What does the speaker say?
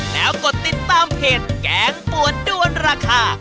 แล้วกดติดตามเพจแกงปวดด้วนราคา